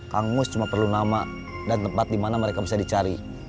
kang bus cuma perlu nama dan tempat dimana mereka bisa dicari